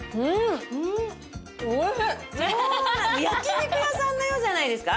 焼肉屋さんのようじゃないですか？